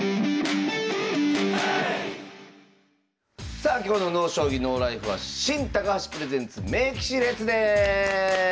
さあ今日の「ＮＯ将棋ＮＯＬＩＦＥ」は「新・高橋プレゼンツ名棋士列伝」！